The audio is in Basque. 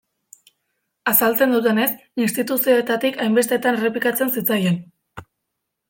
Azaltzen dutenez, instituzioetatik hainbestetan errepikatzen zitzaien.